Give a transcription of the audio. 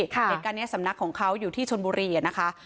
เห็นกันเนี่ยสำนักของเขาอยู่ที่ชนบุรีอะนะคะ